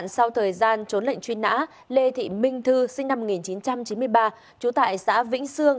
sau thời gian trốn lệnh truy nã lê thị minh thư sinh năm một nghìn chín trăm chín mươi ba trú tại xã vĩnh sương